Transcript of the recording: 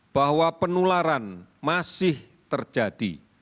bahwa penularan masih terjadi